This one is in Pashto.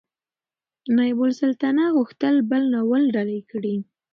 نایبالسلطنه غوښتل بل ناول ډالۍ کړي.